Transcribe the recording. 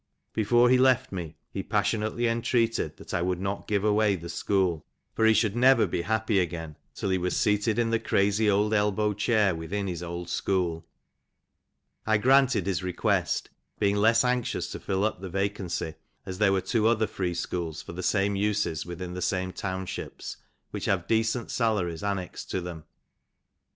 Before he left me, he passionately entreated that I would not give away the school, for he should never be happy again till he was seated in the crazy old elbow chair within his school. I granted his request, being less anxious to fill up the vacancy, as there were two other free schools for the same uses within the same townships, which have decent salaries annexed to them.